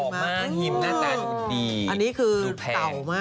เห็นหิมหน้าด้านดูดีสุดแพง